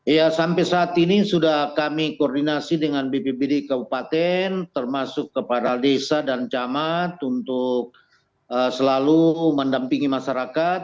ya sampai saat ini sudah kami koordinasi dengan bpbd kabupaten termasuk kepada desa dan camat untuk selalu mendampingi masyarakat